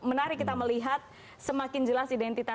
menarik kita melihat semakin jelas identitas